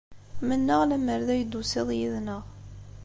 Mennaɣ lemmer d ay d-tusiḍ yid-neɣ.